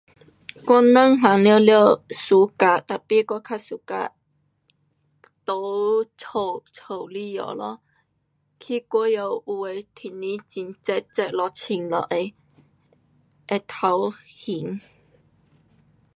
我两样全部 suka, tapi 我较 suka 在家，家里下咯。去外下有的天气很热，热了冷了会，会头晕。